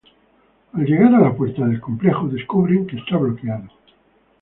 Al llegar a la puerta del complejo, descubren que está bloqueado.